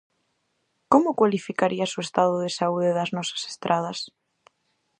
Como cualificarías o estado de saúde das nosas estradas?